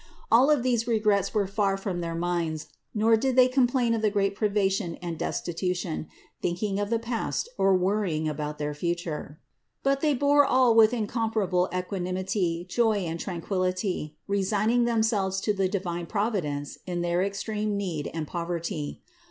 All of these regrets were far from their minds, nor did they complain of the great privation and destitution, thinking of the past or worrying about their future. But they bore all with incomparable equanimity, joy and tranquillity, resigning themselves to the divine Providence in their extreme need and poverty.